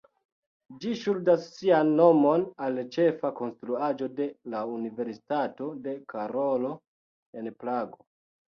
Ĝi ŝuldas sian nomon al ĉefa konstruaĵo de la Universitato de Karolo en Prago.